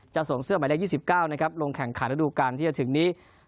จะส่งเสื้อใหม่ได้ยี่สิบเก้านะครับลงแข่งขาดฤดูการที่จะถึงนี้